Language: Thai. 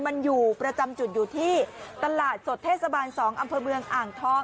มันอยู่ประจำจุดอยู่ที่ตลาดสดเทศบาล๒อ่างทอง